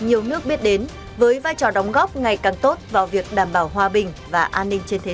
nhiều nước biết đến với vai trò đóng góp ngày càng tốt vào việc đảm bảo hòa bình và an ninh trên thế